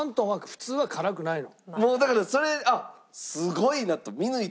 もうだからそれあっすごいなと。